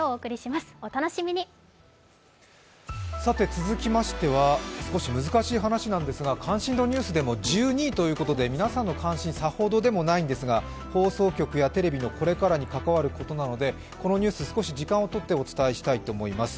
続きましては少し難しい話なんですが、関心度ニュースでも１２位ということで皆さんの関心はさほどでもないんですが放送局やテレビのこれからに関わることなのでこのニュース少し時間をとってお伝えしたいと思います。